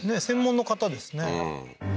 専門の方ですね